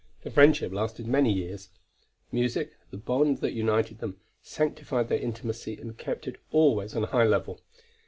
The friendship lasted many years. Music, the bond that united them, sanctified their intimacy and kept it always on a high level.